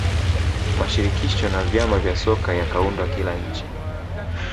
mashirikisho na vyama vya soka yakaundwa kila nchi